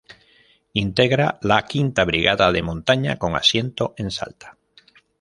Integra la V Brigada de Montaña, con asiento en Salta.